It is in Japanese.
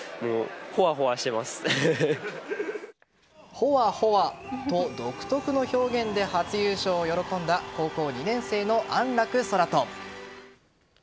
ほわほわと独特の表現で初優勝を喜んだ高校２年生の安楽宙斗。